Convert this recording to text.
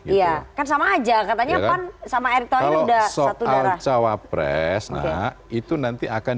iya kan sama aja katanya pan sama erick thohir sudah satu darah soal cowok pres itu nanti akan